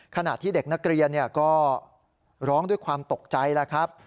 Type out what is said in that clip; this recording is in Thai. ขณะที่เด็กนักเรียนก็ร้องด้วยความตกใจแล้วครับ